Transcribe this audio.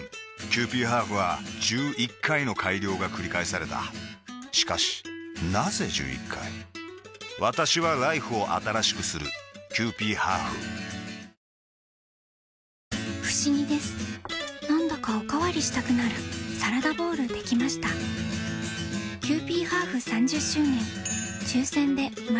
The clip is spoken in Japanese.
キユーピーハーフは１１回の改良がくり返されたしかしなぜ１１回私はＬＩＦＥを新しくするキユーピーハーフふしぎですなんだかおかわりしたくなるサラダボウルできましたキユーピーハーフ３０周年